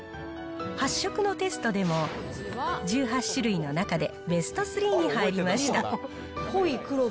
発色のテストでも１８種類の中でベスト３に入りました。